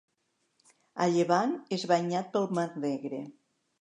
A llevant, és banyat pel mar Negre.